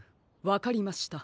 わかりました。